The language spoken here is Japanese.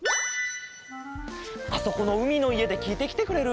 あそこのうみのいえできいてきてくれる？